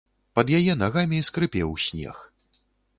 Пад яе нагамі скрыпеў снег.